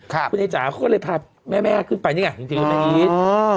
คุณไอ้จ๋าเขาก็เลยพาแม่ขึ้นไปนี่ไงจริงแม่อีท